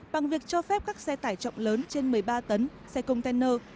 bằng việc cho phép các xe tải trọng lớn trên một mươi ba tấn xe container